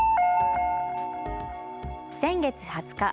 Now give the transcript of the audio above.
先月２０日。